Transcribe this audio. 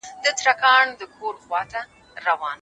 نور زما او ستا سيالي د چا مجال دى